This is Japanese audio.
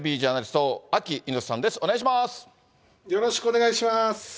よろしくお願いします。